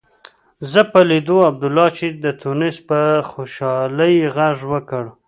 زما په لیدو عبدالله چې د تونس و په خوشالۍ غږ وکړ.